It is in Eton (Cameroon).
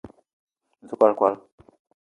Me te kwal kwala